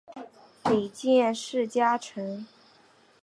里见氏家臣。